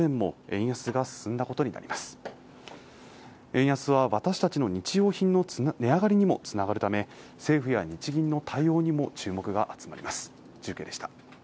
円安は私たちの日用品の値上がりにもつながるため政府や日銀の対応にも注目が集まります